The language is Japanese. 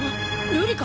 瑠璃か？